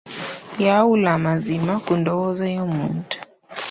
Yawula amazima ku ndowooza y'omuntu.